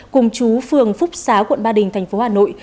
cùng chú phường phúc xá quận ba đình tp hà nội